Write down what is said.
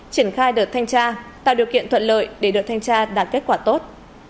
triển khai đợt thanh tra tạo điều kiện thuận lợi để đợt thanh tra đạt kết quả tốt